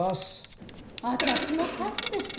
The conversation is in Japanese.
私もパスです。